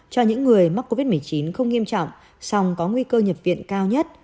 cho những người mắc covid một mươi chín không nghiêm trọng song có nguy cơ nhập viện cao nhất